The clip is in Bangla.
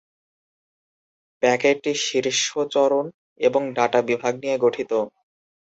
প্যাকেটটি শীর্ষচরণ এবং ডাটা বিভাগ নিয়ে গঠিত।